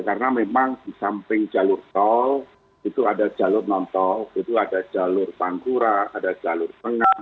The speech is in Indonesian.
karena memang di samping jalur tol itu ada jalur non tol itu ada jalur pantura ada jalur tengah